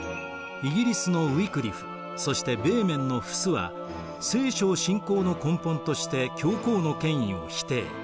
イギリスのウィクリフそしてベーメンのフスは「聖書」を信仰の根本として教皇の権威を否定。